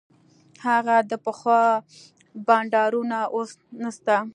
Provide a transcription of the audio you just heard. هغه د پخوا بانډارونه اوس نسته.